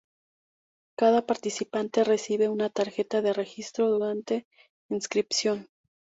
Cada participante recibe una tarjeta de registro durante inscripción.